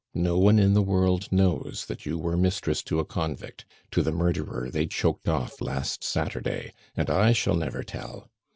No one in the world knows that you were mistress to a convict, to the murderer they choked off last Saturday; and I shall never tell.